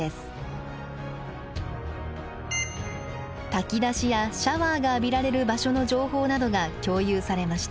炊き出しやシャワーが浴びられる場所の情報などが共有されました。